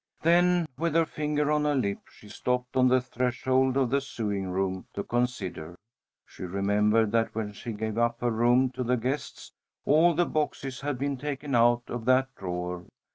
Then, with her finger on her lip, she stopped on the threshold of the sewing room to consider. She remembered that when she gave up her room to the guests, all the boxes had been taken out of that drawer.